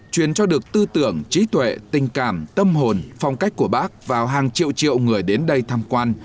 truyền cho được tư tưởng trí tuệ tình cảm tâm hồn phong cách của bác vào hàng triệu triệu người đến đây tham quan